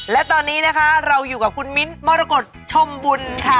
และตอนนี้นะคะเราอยู่กับคุณมิ้นมรกฏชมบุญค่ะ